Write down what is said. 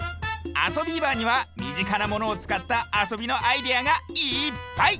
「あそビーバー」にはみぢかなものをつかったあそびのアイデアがいっぱい！